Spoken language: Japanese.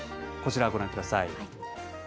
こちらをご覧ください。